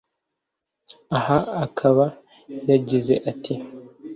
aha akaba yagize ati